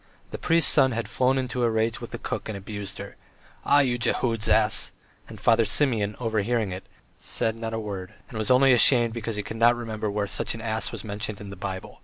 The priest's son had flown into a rage with the cook and abused her: "Ah, you Jehud's ass!" and Father Simeon overhearing it, said not a word, and was only ashamed because he could not remember where such an ass was mentioned in the Bible.